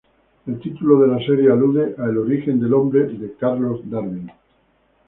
El título de la serie alude a "El origen del hombre", de Charles Darwin.